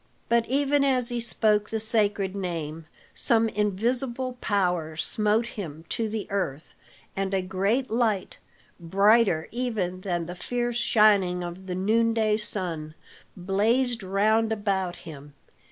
But even as he spoke the sacred name, some invisible power smote him to the earth; and a great light, brighter even than the fierce shining of the noonday sun, blazed round about him.